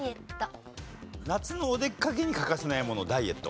夏のお出かけに欠かせないものダイエット。